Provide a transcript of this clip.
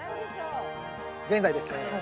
現在ですね